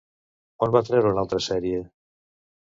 On va treure una altra sèrie?